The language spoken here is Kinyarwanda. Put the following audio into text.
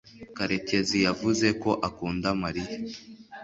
karekezi yavuze ko akunda mariya